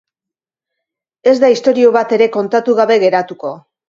Ez da istorio bat ere kontatu gabe geratuko.